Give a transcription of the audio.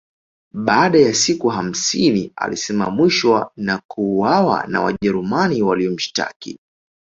Baada ya siku hamsini alisimamishwa na kuuawa na Wajerumani waliomshtaki